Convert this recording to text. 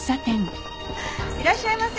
いらっしゃいませ！